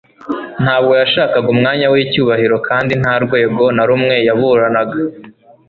Ntabwo yashakaga umwanya w'icyubahiro kandi nta rwego na rumwe yaburanaga.